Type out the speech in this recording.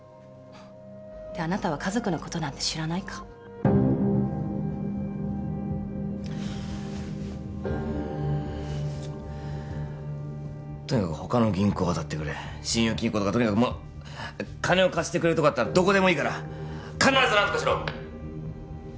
ってあなたは家族のことなんて知らないかとにかく他の銀行をあたってくれ信用金庫とかとにかく金を貸してくれるとこだったらどこでもいいから必ず何とかしろ！